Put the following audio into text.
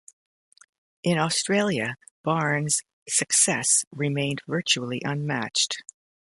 In Australia, Barnes' success remained virtually unmatched.